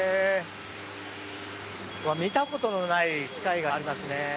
見たことのない機械がありますね。